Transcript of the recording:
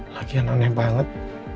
lagian aneh banget